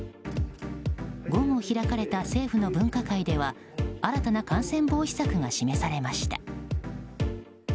午後開かれた政府の分科会では新たな感染防止策が示されました。